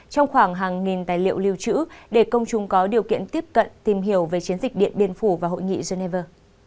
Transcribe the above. trong khoảng hàng nghìn tài liệu lưu trữ để công chúng có điều kiện tiếp cận tìm hiểu về chiến dịch điện biên phủ và hội nghị geneva